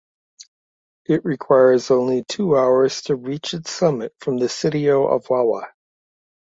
It requires only two hours to reach its summit from the sitio of Wawa.